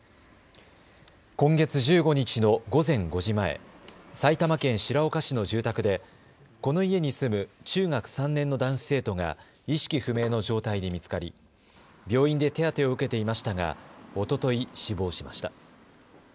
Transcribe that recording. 今月１５日の午前５時前、埼玉県白岡市の住宅でこの家に住む中学３年の男子生徒が意識不明の状態で見つかり病院で手当てを受けていましたがおととい、死亡しました。